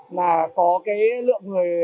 là một trong những nơi